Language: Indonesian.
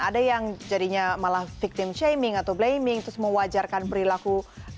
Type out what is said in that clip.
ada yang jadinya malah victim shaming atau blaming terus mewajarkan perilaku